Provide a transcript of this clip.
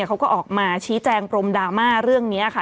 เขาก็ออกมาชี้แจงปรมดราม่าเรื่องนี้ค่ะ